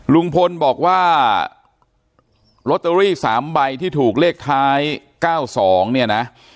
ลุงพลบอกว่าล็อตเตอรี่สามใบที่ถูกเลขท้ายเก้าสองเนี่ยนะ